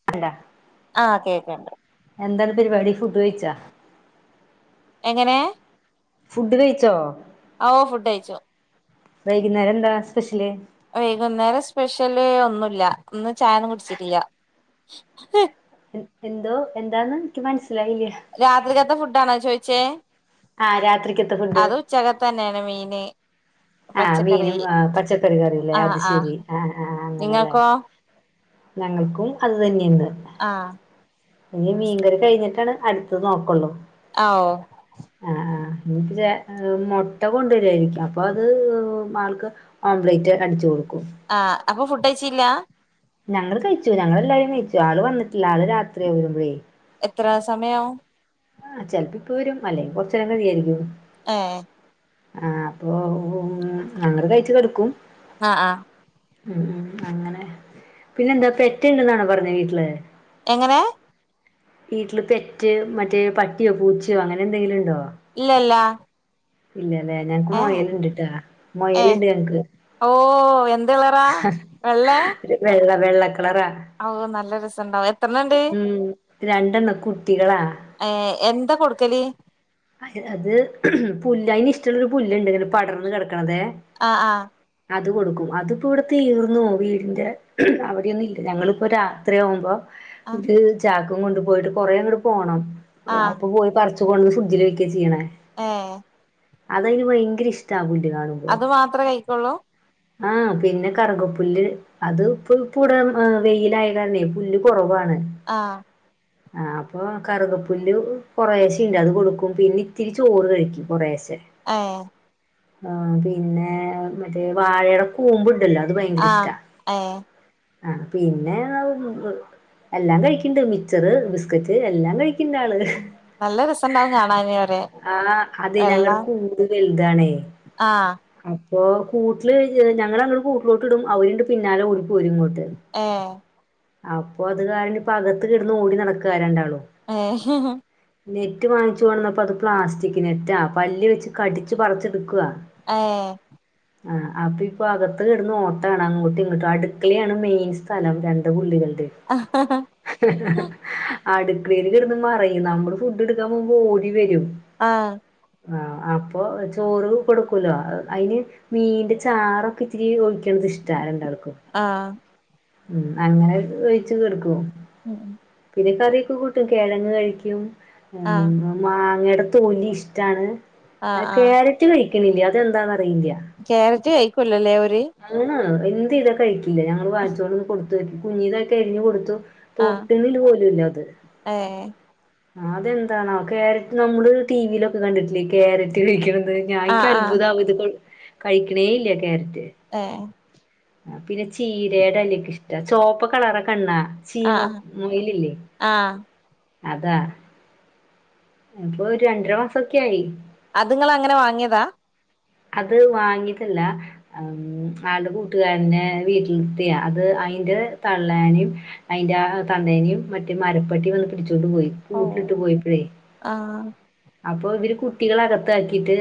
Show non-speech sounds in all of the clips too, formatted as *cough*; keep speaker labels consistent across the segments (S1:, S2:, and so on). S1: *unintelligible*
S2: ആഹ് കേക്കണ്ട്
S1: എന്താണ് പരിപാടി ഫുഡ് ചഴിച്ചാ
S2: എങ്ങനെ
S1: ഫുഡ് കഴിച്ചോ
S2: ഓഹ് ഫുഡ് കയ്ച്ചു
S1: വൈകുന്നേരം എന്താ സ്പെഷ്യല്
S2: വൈകുന്നേരം സ്പെഷ്യല് ഒന്നുല്ല ഒന്ന് ചായൊന്നും കുടിച്ചിട്ടില്ല
S1: എന്തോ എന്താന്ന് എനിക്ക് മനസ്സിലായില്ലേ
S2: രാത്രിക്ക് തെ ഫുഡാണോ ചോദിച്ചേ
S1: ആഹ് രാത്രികതെ ഫുണ്ട്
S2: ഉച്ചക്കത്തെ തന്നെയാണ് മീൻ
S1: ആഹ് മീനും പച്ചക്കറി കറില്ലേ അത് ശരി ആഹ് ആഹ് അങ്ങനെല്ലേ
S2: നിങ്ങൾക്കോ
S1: ഞങ്ങൾക്കും അത് തന്നെയ ഇന്ന്
S2: ആഹ്.
S1: ഇനി മീൻകറി കഴിഞ്ഞിട്ടാണ് അടുത്ത നോക്കുള്ളൂ.
S2: ആഹ് ഓ
S1: ആഹ് ആഹ് എനിക്ക് മുട്ട കൊണ്ടുവരുവാരിക്കും അപ്പൊ അത് ആൾക്ക്. ആംലേറ്റ് അടിച്ചു കൊടുക്കും.
S2: ആഹ് അപ്പൊ ഫുഡ് കഴിച്ചിലാ.
S1: ഞങ്ങളൾ കഴിച്ചു ഞങ്ങൾ എല്ലാരും കഴിച്ചു ആള് വന്നിട്ടില്ല ആള് രാത്രി വരുമ്പോഴേ.
S2: എത്ര സമായവും.
S1: ആഹ് ചിലപ്പോ ഇപ്പൊവരും അല്ലെ കൊറച്ചെരം കഴിയയിരിക്കും.
S2: എഹ്.
S1: ആഹ് അപ്പൊ ഞങ്ങൾ കഴച്ചു കിടക്കും.
S2: ആഹ് ആഹ്.
S1: ഉം ഉം അങ്ങനെ. പിന്നെന്താ പെറ്റണ്ടെന്നാണോ പറഞ്ഞത് വീട്ടില്.
S2: എങ്ങനെ.
S1: വീട്ടില് പെറ്റ് മറ്റേ പട്ടിയോ പൂച്ചയോ അങ്ങനെ എന്തെങ്കിലും ഉണ്ടോ?
S2: ഇല്ലല്ല.
S1: ഇല്ലല്ലേ ഞങ്ങക്ക്
S2: ഏഹ്
S1: മോയൽ ഇണ്ട്ട്ടാ മോയൽണ്ട് ഞങ്ങൾക്.
S2: ഓഹ് എന്ത് കളറാ വെള്ളേ.
S1: വെള്ള വെള്ളക്കളറ.
S2: ഓഹ് നല്ല രസംണ്ടാവും എത്രണണ്ട്.
S1: രണ്ടണം കുട്ടികളാ.
S2: ഏഹ് എന്താ കൊടുക്കല്.
S1: അത് പുല്ല് അയിന് ഇഷ്ടമുള്ളരു പുല്ണ്ട് ഇങ്ങനെ പടർന്ന് കിടക്കണതെ.
S2: ആഹ് ആഹ്
S1: അത് കൊടുക്കും അതിപ്പോ ഇവിടെ തീർന്നു വീടിന്റെ അവിടെന്നും ഇല്ല ഞങ്ങളിപ്പോ രാത്രിയാകുമ്പോ.
S2: ആഹ്
S1: ചാക്കും കൊണ്ട് പോയിട്ട് കൊറേ അങ്ങട്ട് പോണം
S2: ആഹ്
S1: അപ്പൊ പോയി പറച്ച് കൊണ്ട് ഫു- ജില് വെയ്ക്കാ ചെയ്യണേ.
S2: ഏഹ്
S1: അതയിന് ഭയങ്കര ഇഷ്ടാ പുല്ല് കാണുമ്പോ.
S2: അത് മാത്രേ കഴിക്കൊള്ളൂ
S1: ആഹ് പിന്നെ കറുകപ്പുല്ല്. അത് ഇപ്പൊപ്പടവെയിലായ കാരണേ പുല്ല് കുറവാണ്.
S2: ആഹ്.
S1: ആ ഹ് അപ്പൊ കറുകപ്പുല്ല് കൊറെ ശെ ണ്ട് അത് കൊടുക്കും. പിന്നെ ഇത്തിരി ചോറ് കഴിക്കും കുറേശെ.
S2: ആഹ്.
S1: ആ പിന്നെ മറ്റേ വാഴയുടെ കൂമ്പ് ണ്ടല്ലോ. അത് ഭയങ്കര
S2: ആഹ്
S1: ഇഷ്ടാ
S2: ഏഹ്
S1: ആ പിന്നെ അ ഹ് ന്ന് എല്ലാം കഴിക്ക്ണ്ട് മിച്ചർ ബിസ്കറ്റ് എല്ലാം കഴിക്കിണ്ട് ആള്.
S2: നല്ല റസണ്ടാവും കാണാന് അവരെ
S1: ആഹ് അതെ
S2: വെള്ള
S1: ഞങ്ങളടെ കൂട് വല്താണേ.
S2: ആഹ്
S1: അപ്പൊ കൂട്ടില് ഞങ്ങ അങ്ങോട് കൂട്ടിലോട്ട് ഇടും അവരുണ്ട് പിന്നാലെ ഓടി പ്പോര്ങ്ങോട്ട്
S2: ഏഹ്
S1: അപ്പൊ അത് കാരണം ഇപ്പ അകത്ത് കിടന്ന് ഓടി നടകാ രണ്ടാളും.
S2: ഏഹ്
S1: നെറ്റ് വാങ്ങിച്ചു കൊണ്ടന്നപ്പോ അത് പ്ലാസ്റ്റിക് നെറ്റാ പല്ല് വെച്ച് കടിച്ച് പറച്ചെടുക്കാ
S2: ഏ
S1: ആ ഹ് അപ്പൊ ഇപ്പൊ അകത്ത് കിടുന്ന് ഓട്ടമാണ് അങ്ങോട്ടും ഇങ്ങോട്ടും അടുക്കളയാണ് മെയിൻ സ്ഥലം രണ്ട് പുള്ളികളുടെ. അടുക്കളയിൽ കിടന്ന് മറയും നമ്മള് ഫുഡ് എടുക്കാൻ പോകുമ്പോ ഓടി വരും.
S2: ആഹ്.
S1: ആഹ് അപ്പൊ ചോറ് കൊടുക്കൂല്ലോ അയിന് മീന്റെ ചാറ് ക്കെ ഇത്തിരി ഒഴിക്കണത്ഇഷ്ടാ രണ്ടാൾക്കും
S2: ആഹ്
S1: ഉം അങ്ങനെ ഒഴിച്ചു കൊടുക്കും
S2: ഉം
S1: പിന്നെ കറിയൊക്കെ കൂട്ടും കിഴങ്ങ് കഴിക്കും
S2: ആഹ്
S1: മാങ്ങയുടെ തൊലി ഇഷ്ടാണ്
S2: ആഹ്
S1: അത്
S2: ആഹ്
S1: കേര റ്റ് കഴിക്ക്ണില്ല അതെന്താന്നറിയില്ല
S2: ക്യാരറ്റ് കയിക്കുല്ലല്ലേ ഓര്
S1: എന്ത യ്താ കഴിക്കില്ല ഞങ്ങള് വാങ്ങിച്ചോട് ഒന്ന് കൊടുത്തോക്കി കുഞ്ഞീതാക്കി അരിഞ്ഞ് കൊടുത്തു
S2: ആഹ്
S1: തൊട്ട്ണ് ല് പോലും ല്ലത്
S2: ഏഹ്
S1: അത ന്താണോ ക്യാരറ്റ് നമ്മള് ടി വിയിലൊക്കെ കണ്ടിട്ടില്ലേ ക്യാരറ്റ് കഴിക്ക്ണത് ഞാൻ ഇക്ക്
S2: ആഹ് ആഹ്
S1: അത്ഭുത ആവ ഇത് കഴിക്ക്ണേ ഇല്ല ക്യാരറ്റ്
S2: ഏഹ്
S1: പിന്നെ ചീരയുടെ എലക്കെ ഇഷ്ട ചോപ്പ് കളറ് കണ്ണാ ചീമം
S2: ആഹ്
S1: മുയല് ല്ലേ
S2: ആഹ്
S1: അതാ ഇപ്പൊ ഒരു രണ്ടര മാസംക്കെ ആയി
S2: അത്ങ്ങള് അങ്ങനെ വാങ്ങിയതാ
S1: അത് വാങ്ങിത് അല്ല ആളുടെ കൂട്ടുകാരനെ വീട്ടിലിത്തിയ അത് അയിന്റെ തള്ളേനിം അയിന്റെ ആ തന്തേനിം മറ്റേ മരപ്പെട്ടി വന്ന് പിടിച്ചോണ്ട് പോയി
S2: ഓഹ്
S1: കൂട്ടിലിട്ട് പോയപ്പഴേ
S2: ആഹ്
S1: അപ്പൊ ഇവര് കുട്ടികള അകത്താ ക്കിട്ട്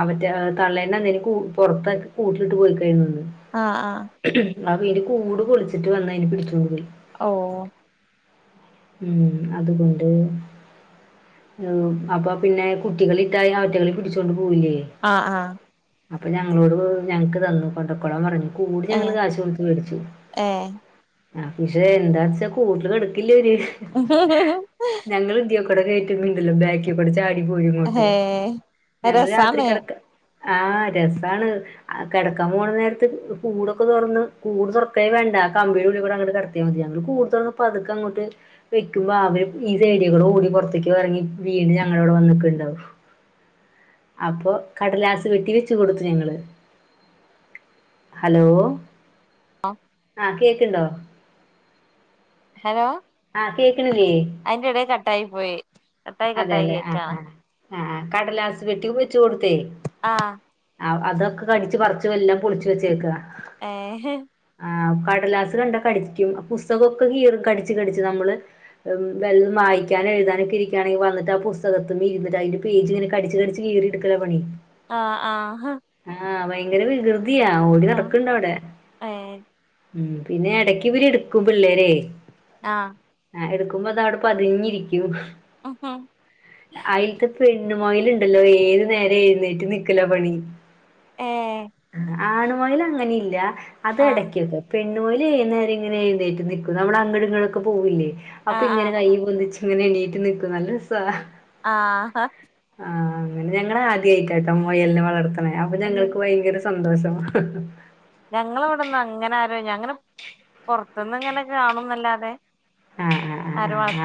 S1: അവറ്റ തള്ളേ തന്തേനി കൂ പുറത്താകി കൂട്ടിലിട്ട് പോയിക്കെരുന്നു ന്ന്
S2: ആഹ് ആഹ്
S1: അവര് കൂട് പൊളിച്ചിട്ട് വന്നേ അയിനെ പിടിച്ചു പോയി
S2: അഹൂ
S1: ഉം അതുകൊണ്ട് അപ്പൊ പിന്നെ കുട്ടികള് ഇതായ ആറ്റകളിൽ പിടിച്ചോണ്ട് പോവില്ലേ
S2: ആഹ് ആഹ്
S1: അപ്പൊ ഞങ്ങളോട് ഞങ്ങക്ക് തന്നു കൊണ്ടക്കോളാൻ പറഞ്ഞു കൂട് ഞങ്ങള്
S2: ഏഹ്
S1: കാശ് കൊടുത്ത് മേടിച്ചു
S2: ഏഹ്
S1: ആഹ് പക്ഷെ എന്താ വച്ചാ കൂട്ടില് കിടക്കില്ലേര്
S2: ആഹ്
S1: *unintelligible* അടി പോയി ഇങ്ങോട്ട്
S2: ഏഹ്
S1: ഞങ്ങള് രാത്രി
S2: രസാണ്
S1: കിടക്ക ആഹ രസാണ് ആഹ് കിടക്കാൻ പോണ നേരത്ത് കൂടൊക്കെ തുറന്ന് കൂട് തുറക്കേ വേണ്ട കമ്പിടെ ഉള്ളി കൂടെ അങ്ങോട് കിട ഞങ്ങള് കൂടുതലും പതുക്ക അങ്ങോട്ട് വെക്കുമ്പോ അവര് ഈ സൈഡിൽകൂടെ ഓടി പുറത്തേക്ക് ഇറങ്ങി വീണ് ഞങ്ങളവിടെ വന്നൊക്കെണ്ടാവും അപ്പോ കടലാസ് പെട്ടി വെച്ച് കൊടുത്തു ഞങ്ങൾ ഹലോ
S2: ആഹ്
S1: ആഹ് കേക്ക്ണ്ടോ
S2: ഹലോ
S1: ആഹ് കേക്കണില്ലേ
S2: അതിന്റെ ഇടയി കട്ടായി പോയി കട്ടായി കട്ടായി
S1: അതെല്ലെ ആഹ്
S2: കേക്കാണ്
S1: ആഹ് ആഹ് കടലാസ് പെട്ടി വച്ച് കൊടുത്തേ
S2: ആഹ്
S1: ആഹ് അതൊക്കെ കടിച്ച് പറിച്ച് എല്ലാം പൊളിച്ച് വെച്ചേക്കുക
S2: ഏഹ്
S1: ആഹ് കടലാസ് കണ്ട കടിക്കും പുസ്തകമൊക്കെ കീറി കടിച്ച് കടിച്ച് നമ്മള് വെ വായിക്കാനും എഴുതാനു തിരിക്കുകയാണെങ്ങ്കി വന്നിട്ട് പുസ്തകത്തിന്റെ ഇര്ന്ന്ട്ട് അതിന്റെ പേജ് ഇങ്ങനെ കടിച്ച് കടിച്ച് കീറിട്ക്കാ പണി
S2: ആ ആ
S1: ആ ഭയങ്കര വികൃതിയാ ഓടി
S2: ആഹ്
S1: നടക്ക്ണ്ട അവടെ
S2: ഏഹ്
S1: മ് പിന്നെ ഇടക്ക് ഇവരെടുക്കും പിള്ളേരെ
S2: ആ
S1: ആ എടുക്കുമ്പോത അവടെ പതിഞ്ഞിരിക്കും
S2: ഉഹും
S1: അയിൽക്ക്‌ പെണ്ണ് മൊയല്ണ്ടല്ലോ ഏതു നേരം എഴുന്നേറ്റ് നിക്കല പണി
S2: ഏഹ്
S1: ആണുമൊയൽ അങ്ങനെ ഇല്ല അത്
S2: ആഹ്
S1: എടക്ക് ക്കെ പെണ്ണു മൊയൽ ഏനേരങ്ങനെ എഴുനേറ്റ് നിക്കും നമ്മള അങ്ങങ്ങടൊക്കെ പോവില്ലേ അപ്പൊ
S2: ആഹ്
S1: ഇങ്ങനെ
S2: ആഹ്
S1: കൈ പൊന്തി ങ്ങനെ എണീറ്റ് നിക്കും നല്ല രസാ
S2: ആ
S1: ആ അങ്ങനെ ഞങ്ങൾ ആദ്യയിട്ടായിട്ടൊ മൊയലിനെ വളർത്തണ അപ്പൊ
S2: ഉം
S1: ഞങ്ങക്ക് ഭയങ്കര സ് സന്തോഷം
S2: ഞങ്ങടവടൊന്ന് അങ്ങനെ ആരോ അങ്ങനെ പൊറത്ത്ന്ന്ങ്ങനെ കാണുന്നല്ലാതെ
S1: ആ ആ ആ ആ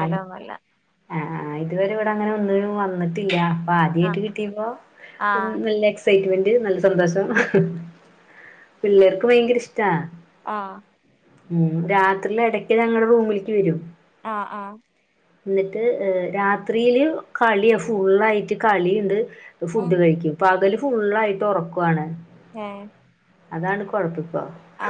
S1: ആ ആ ഇതുവരെ ഇവിടെ അങ്ങനെ ഒന്നിനും വന്നിട്ടില്ല ആദ്യയിട്ട്
S2: ആഹ്
S1: കിട്ടിയപോ
S2: ആഹ്
S1: എക്സൈറ്റ്മെന്റ് നല്ല സന്തോഷം പിള്ളേർക്ക് ഭയങ്കര ഇഷ്ടാ
S2: ആ
S1: മ് രാത്രിയില് ഇടക്ക് ഞങ്ങടെ റൂമിലേക്ക് വരും
S2: ആ ആ
S1: എന്നിട്ട് രാത്രിയില് കളിയാ ഫുള്ളായിട്ട് കളീണ്ട് പ്പൊ
S2: ഉം
S1: ഫുഡ് കഴിക്കും ഇപ്പൊ പകല് ഫുള്ളായിട്ട് ഒറൊക്കാണ്
S2: ഏ
S1: അതാണ് കുഴപ്പ പ്പ
S2: ആ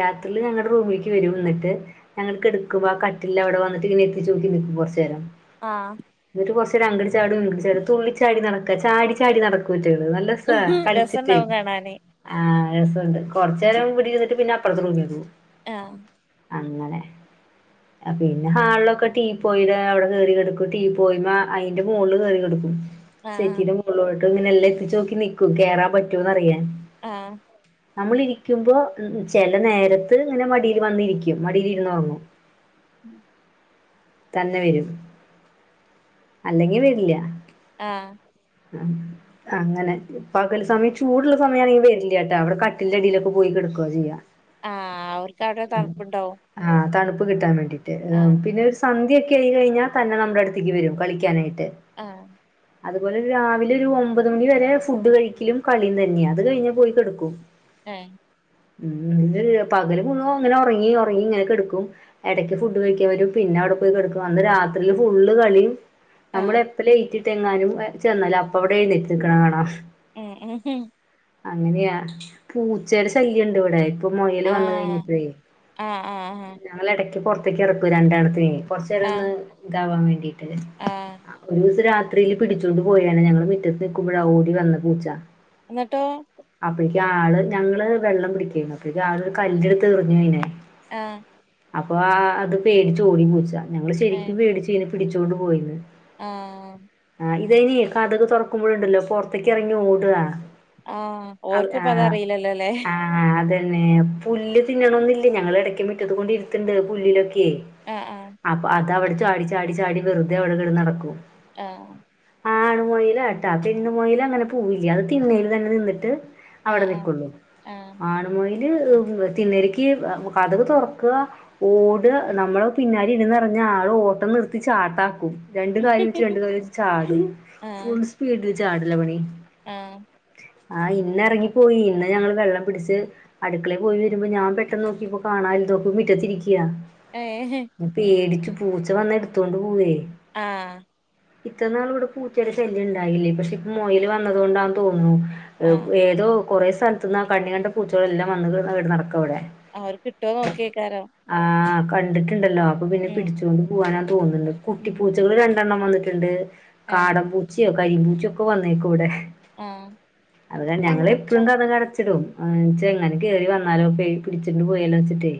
S1: രാത്രില് ഞങ്ങടെ റൂമേക്ക് വരും ന്നിട്ട് ഞങ്ങള് കെടുക്കുമ്പോ ആ കട്ടില്ലവിടെ വന്നിട്ട്ങ്ങനെ എത്തി ചോക്കി നിക്കും കൊറച്ചേരം
S2: ആഹ്
S1: ന്ന്ട്ട് കൊറച്ചേരം അങ്ങട് ചാടുംങ്ങട് ചാടു തുള്ളിച്ചാടി നടക്കാ ചാടി ചാടി നടക്കൂറ്റള് നല്ല സാ കളിച്ചിട്ടെ
S2: രസണ്ടാവും കാണാന്
S1: ആ രസൊണ്ട്
S2: ഉം
S1: കൊർച്ചേരം ഇവ്ടിര്ന്നിട്ട് പിന്നപ്പറത്ത റൂമിലേക്കോവും
S2: ആഹ്
S1: അങ്ങനെ പിന്നെ ഹാൾലൊക്കെ ടീ പോയിടെ അവിടെ കേറി കെടക്കും ടീ പോയിമേ അയിന്റെ മോൾല് കേറി കെടക്കും
S2: ആഹ്
S1: സെറ്റീന്റെ മോൾലോട്ട് ഇങ്ങനെല്ലാം എത്തിചോക്കി നിക്കും കേറാൻ പറ്റൂന്നറിയാൻ
S2: ആഹ്
S1: നമ്മളിരിക്കുമ്പോ ചെല നേരത്ത് ങ്ങനെ മടീല് വന്നിരിക്കും മടീലിരുന്നൊറങ്ങു
S2: മ്
S1: തന്നെ വെരും അല്ലെങ്കി വരില്ല്യ
S2: ആഹ്
S1: ആഹ് അങ്ങനെ പകൽ സമയം ചൂടുള്ള സമയാണെങ്കി വരില്യാട്ടാ അവിടെ കട്ടിൽന്റെ അടീലൊക്കെ പോയി കെടക്ക്വാ ചെയ്യാ
S2: ആ അവർക്കാടെ തണുപ്പുണ്ടാവു
S1: ആഹ് തണുപ്പ് കിട്ടാൻ വേണ്ടിട്ട് പിന്നെ സ് സന്ധ്യെക്കെയി കഴിഞ്ഞാ തന്നെ നമ്മുടടുത്തേക്ക് വെരും കളിക്കാനായിട്ട്
S2: ആഹ്
S1: അതുപോലൊരു രാവിലെരു ഒമ്പത് മണി വരെ ഫുഡ് കഴിക്കലും കളിം തന്നെയ അത് കഴിഞ്ഞാ പോയി കെടക്കും
S2: ഏഹ്
S1: പകല് മുഴുവൊംങ്ങനെ ഒറങ്ങി ഒറങ്ങി ഇങ്ങനെ കെടക്കും എടയ്ക്ക് ഫുഡ് കഴിക്കാൻ വെരും പിന്നവിടെ പോയി കെടക്കും അന്ന് രാത്രില് ഫുള്ള് കളിം നമ്മൾ
S2: ആഹ്
S1: പ്പ ലെയ്റ്റിട്ടെങ്ങാനും ചെന്നാല് അപ്പവിടെ എഴ്ന്നേറ്റ് നിക്കണ കാണാം
S2: ഉം ഉം ഹ്ഹ
S1: അങ്ങനെയാ പൂച്ചേടെ ശല്യംണ്ട് വിടെ ഇപ്പ മൊയല് വന്ന്
S2: ആഹ്
S1: കഴിഞ്ഞപ്പഴേ
S2: ആഹ് ആഹ്
S1: ഞങ്ങളെടക്ക് പൊറത്തേക്കെറക്കൂ രണ്ടേണ്ണത്തിനേ കൊറച്ചേരം ഒന്ന്
S2: ആഹ്
S1: ഇതാവാൻ വേണ്ടീട്ട്
S2: ആഹ്
S1: ഒരൂസം രാത്രില് പിടിച്ചോണ്ട് പോയാനെ ഞങ്ങള് മിറ്റത്ത് നിക്കുമ്പോഴാ ഓടി വന്ന പൂച്ച
S2: എന്നിട്ടോ
S1: അപ്പഴേക്ക് ആള് ഞങ്ങള് വെള്ളം പിടിക്കായ്ന്നു അപ്പഴേക്ക് ആളൊരു കല്ലെടുത്തെറിഞ്ഞു അയ്നേ
S2: ആഹ്
S1: അപ്പൊ ആ അത് പേടിച്ചോടി പൂച്ച ഞങ്ങള് ശരിക്കും
S2: ഏഹ്
S1: പേടിച്ച്യ്നെ പിടിച്ചോണ്ട് പോയിന്ന്
S2: ആഹ്
S1: ആഹ് ഇതയ്ന് കതക് തൊറക്കുമ്പോഴുണ്ടല്ലോ പൊറത്തേക്കെറങ്ങി ഓട്കാ
S2: ആഹ് ഓര്ക്കിപ്പതറിയില്ലല്ലോല്ലേ
S1: ആഹ് അതന്നെ പുല്ല് തിന്നണൊന്നില്ലേ ഞങ്ങളെടയ്ക്ക് മുറ്റത് കൊണ്ട് ഇരുത്ത്ണ്ട് പുല്ലിലൊക്കെ
S2: ആഹ് ആഹ്
S1: അപ്പൊ അതവിടെ ചാടിച്ചാടിച്ചാടി വെറുതെ അവിടെങ്ങനെ നടക്കും
S2: ആഹ്
S1: ആണുമോയിലാട്ടാ പെണ്ണ്മോയിലങ്ങനെ പോവില്ല്യ അത് തിന്നങ്ങ് നിന്നിട്ട് അവിടെ
S2: ആഹ് ആഹ്
S1: നിക്കുള്ളൂ
S2: ആഹ് ആഹ്
S1: ആണ് മൊയൽ തിന്നരക്ക് കതക് തൊറക്കാ ഓട്കാ നമ്മള് പിന്നാ രുന്നറഞ്ഞ ആളോട്ടം നിർത്തി ചാട്ടാക്കും രണ്ട് കാല് വെച്ച് രണ്ട് കാല് വെച്ച് ചാടും
S2: ആഹ്
S1: ഫുൾ സ്പീഡില് ചാടില്ല പണി
S2: ആഹ്
S1: ആഹ് ഇന്നെറങ്ങിപ്പോയി ഇന്ന് ഞങ്ങൾ വെള്ളം പിടിച്ച് അടുക്കളെ പോയി വരുമ്പൊ ഞാൻ പെട്ടെന്ന് നോക്കിപ്പോ കാണല്ലനോക്കി മിറ്റത്തിരിക്ക
S2: ഏഹ്
S1: പേടിച്ചു പൂച്ച വന്ന എടുത്തോണ്ട് പോവേ
S2: ആഹ്
S1: ഇത്ര നാൾ ഇവിടെ പൂച്ചയുടെ ശല്യം ഉണ്ടായില്ലേ പക്ഷെ ഇപ്പ മൊയില് വന്നത് കൊണ്ടാണെന്ന് തോന്നുണു
S2: ആഹ്
S1: എവഏതോ കൊറേ സ്ഥലത്തുന്ന് ആ കണ്ണികണ്ട പൂച്ചകള എല്ലാം വന്ന് ഇവിടെ നടക്കാ അവിടെ
S2: അവർ കിട്ടുമോ നോക്കിയേ ക്കാരോ
S1: ആഹ് കണ്ടിട്ട് ഉണ്ടല്ലോ അപ്പ പിന്നെ പിടിച്ചോണ്ട് പോകാന തോന്ന്ന്ന്
S2: ഉം
S1: കുട്ടിപ്പൂച്ചകൾ രണ്ടെണ്ണം വന്നിട്ടുണ്ട്
S2: ഏഹ്
S1: കാടം പൂച്ചയോ കരി പൂച്ചയൊക്കെ വന്നേക്കും ഇവിടെ
S2: ആഹ്
S1: അത കാര ഞങ്ങള് എപ്പൊഴും കത കടച്ചിടും ങ്ങനെ ചെങ്ങാനുകേറി വന്നാലോകേറി പിടിച്ചിണ്ട് പോയാലോന്ന് വെച്ചിട്ടേ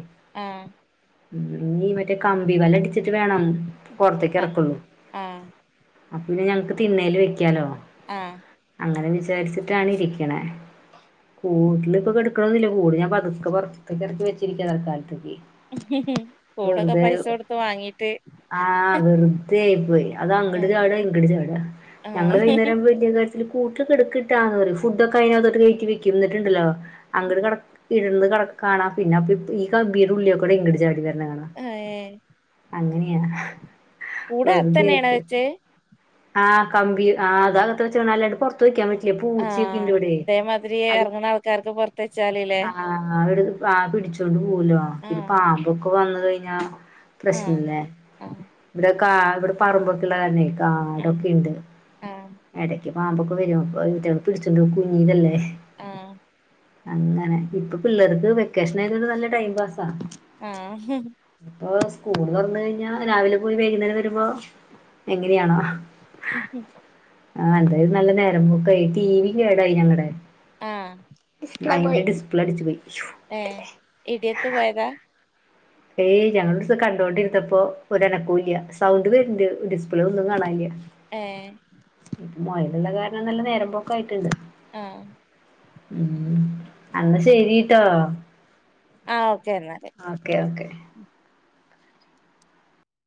S2: ആഹ്
S1: ഞ്ഞി മറ്റേ കമ്പി വലടിച്ചിട്ട് വേണം പൊറത്തേക്ക്
S2: ആഹ്
S1: എറക്കൊള്ളൂ
S2: ആഹ്
S1: അപ്പിന്നെ ഞങ്ങക്ക് തിണ്ണേല് വെക്കാലോ
S2: ആഹ്
S1: അങ്ങനെ വിചാരിച്ചിട്ടാണ് ഇരിക്ക് ണേ കൂട്ടിലിപ്പൊക്കെടുക്കണൊന്നില്ല കൂട് ഞാൻ പതുക്കെ പുറത്തേക്ക് ഇറക്കി വെച്ചിരിക്കാ തൽക്കാലത്തക്ക്
S2: കൂടൊക്കെ പൈസ കൊടുത്ത് വാങ്ങീട്ട്
S1: ആഹ് വെറുതെയായി പോയി അത് അങ്ങട്
S2: ആഹ്
S1: ചാട ഇങ്ങട് ചാടാ ഞങ്ങൾ
S2: ആഹ്
S1: വൈകുന്നേരം ആവുമ്പോഴ്ക്ക് തില് കൂട്ടില് കെടുക്കിട്ടാന്ന് പറയ് ഫുഡ് ഒക്കെ അതിനക് കയറ്റി വെക്കും എന്നിട്ടുണ്ടല്ലോ അങ്ങട് ഇരുന്ന് കെടക്കാനാ പിന്നെ അപ്പൊ ഈ കബീടെ ഉള്ളിക്കൂടെ ങ്ങട് ചാടി വരണ കാണാം
S2: ഏഹ്
S1: അങ്ങനെയാ
S2: കൂടെ
S1: വെറുതെ
S2: അത്തന്നെയാണ്
S1: ആയിപോയി
S2: വെച്ച്
S1: ആഹ് കമ്പി ആ അതകത്ത് വെച്ച *unintelligible* തോയ്ക്കാൻ പറ്റില്ല പൂച്ചേ ക്കിണ്ട്
S2: ആഹ്
S1: വടെ
S2: ഇതേമാതിരി
S1: അത്
S2: ഇറങ്ങണ ആൾക്കാർക്ക് പുറത്ത് വെച്ചാലില്ലേ
S1: ആട പ്രാ പിടിച്ചോണ്ട് പോവോലൊ പിന്നെ
S2: ആഹ്
S1: പാമ്പൊക്കെ വന്ന് കഴിഞ്ഞാ
S2: ആഹ്
S1: പ്രശ്നല്ലേ
S2: ആഹ്
S1: വിടെ കാ ഇവിടെ പറമ്പൊക്കെള്ള കാര്ണേ ആടൊക്കെ ണ്ട്
S2: ആഹ്
S1: എടക്ക് പാമ്പൊക്കെ വരും പിടിച്ചോണ്ട് പോകും കുഞ്ഞിതല്ലേ
S2: ആഹ്
S1: അങ്ങനെ ഇപ്പൊ പിള്ളേർക്ക് വെക്കേഷൻ ആയതോണ്ട് നല്ല ടൈം പാസ
S2: ആ ഹ്
S1: ഇപ്പൊ സ്കൂൾ തുറന്നഴിഞ്ഞാ രാവിലെ പോയി വൈകുന്നേരം വരുമ്പോ എങ്ങനെയാണോ
S2: *unintelligible*
S1: ആ അതായത് നല്ല നേരം പോ ക്കായി ടി വി കേടായി ഞങ്ങടെ
S2: ആഹ്
S1: *unintelligible* അയിന്റെ ഡിസ്പ്ലേ അടിച്ചു പോയി
S2: ഏ ഇടിയത്ത് പോയതാ
S1: ഏയ് ഞനൊരൂസം കണ്ടൊണ്ടിരുന്നപ്പൊ ഒര് അനക്കൂല്ല്യ സൗണ്ട് വരണ്ട് ഡിസ്പ്ലേ ഒന്നും കാണാല്ല്യ
S2: ഏഹ്
S1: പ്പ മൊയലുള്ള കാരണം നല്ല നേരമ്പോക്കായിട്ടുണ്ട്
S2: ആഹ്
S1: മ് അന്ന ശരീട്ടോ
S2: ആ ഓക്കെ എന്നാല്
S1: ഓക്കെ ഓക്കെ